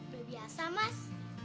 lebih biasa mas